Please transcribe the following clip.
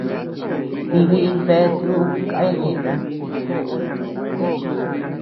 Tii biʼi bea tuʼu kaya ñeʼëta.